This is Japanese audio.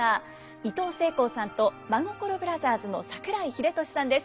いとうせいこうさんと真心ブラザーズの桜井秀俊さんです。